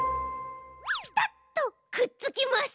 ピタッとくっつきます。